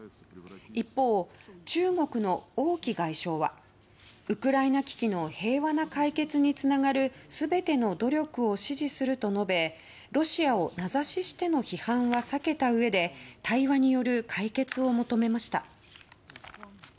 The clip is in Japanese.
一方、中国の王毅外相はウクライナ危機の平和な解決につながる全ての努力を支持すると述べロシアを名指ししての批判を避けたうえで対話による解決を求めました。